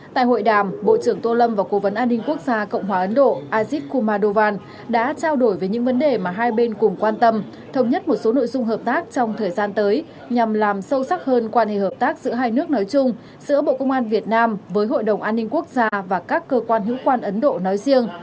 tại hội đàm bộ trưởng tô lâm và cố vấn an ninh quốc gia cộng hòa ấn độ azik kumadovan đã trao đổi về những vấn đề mà hai bên cùng quan tâm thống nhất một số nội dung hợp tác trong thời gian tới nhằm làm sâu sắc hơn quan hệ hợp tác giữa hai nước nói chung giữa bộ công an việt nam với hội đồng an ninh quốc gia và các cơ quan hữu quan ấn độ nói riêng